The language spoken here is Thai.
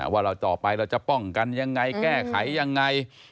ว่าเราต่อไปเราจะป้องกันยังไงแก้ไขยังไง